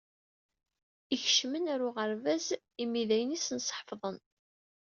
Ikcmen ɣer uɣerbaz, imi d ayen i asen-sḥefḍen.